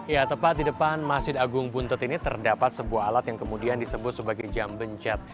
ya tepat di depan masjid agung buntut ini terdapat sebuah alat yang kemudian disebut sebagai jam bencet